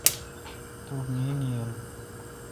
توٹھ نیند ییل۔